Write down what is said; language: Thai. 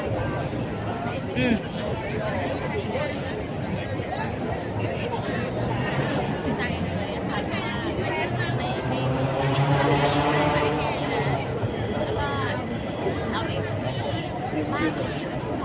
พี่จอยขึ้นหัวแล้วพี่จอย